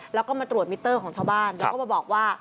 แล้วก็มาตรวจมิเตอร์ของชาวบ้านแล้วก็มาบอกว่า